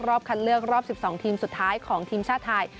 คัดเลือกรอบ๑๒ทีมสุดท้ายของทีมชาติไทย